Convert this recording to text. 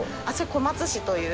小松市という。